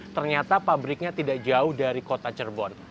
ternyata pabriknya tidak jauh dari kota cirebon